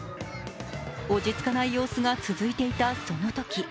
落ち着かない様子が続いていたそのとき。